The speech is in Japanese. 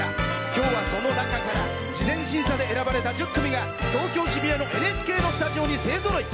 きょうは、その中から事前審査で選ばれた１０組が東京・渋谷のＮＨＫのスタジオに勢ぞろい。